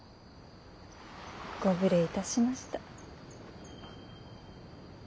ご無礼いたしました。